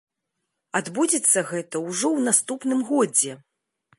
Адбудзецца гэта ўжо ў наступным годзе.